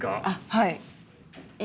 はい。